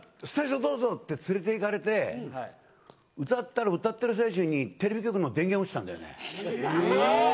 どうぞと連れて行かれて歌ったら、歌っている最中にテレビ局の電源が落ちたんだよね。